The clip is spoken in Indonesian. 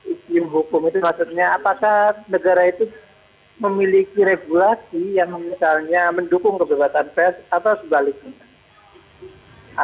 iklim hukum itu maksudnya apakah negara itu memiliki regulasi yang misalnya mendukung kebebasan pers atau sebaliknya